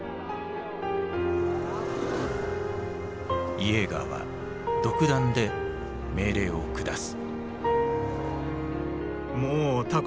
イエーガーは独断で命令を下す。